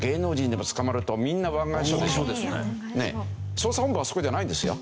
捜査本部はあそこじゃないんですよ。